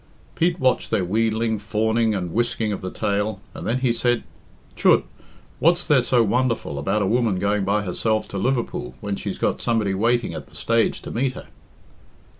Pete watched their wheedling, fawning, and whisking of the tail, and then he said, "Chut! What's there so wonderful about a woman going by herself to Liverpool when she's got somebody waiting at the stage to meet her?"